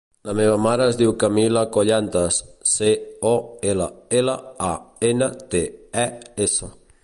La meva mare es diu Camila Collantes: ce, o, ela, ela, a, ena, te, e, essa.